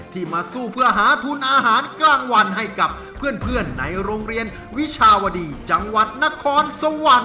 มาสู้เพื่อหาทุนอาหารกลางวันให้กับเพื่อนในโรงเรียนวิชาวดีจังหวัดนครสวรรค์